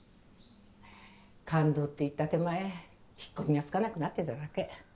「勘当」って言った手前引っ込みがつかなくなってただけ。